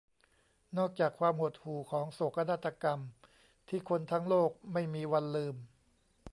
นอกจากความหดหู่ของโศกนาฏกรรมที่คนทั้งโลกไม่มีวันลืม